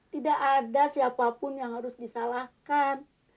tidak ada siapapun yang harus disalahkan